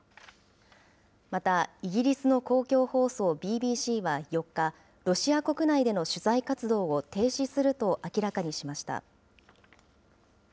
また、イギリスの公共放送ＢＢＣは４日、ロシア国内での取材活動を停止すると明らかにしました。